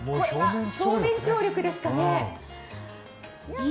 表面張力ですかね。